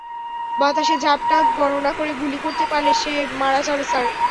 বাতাসে ঝাপটা গণনা করে গুলি করতে পারলে, সে মারা যাবে, স্যার।